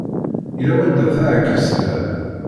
Yella wanda teεkes da!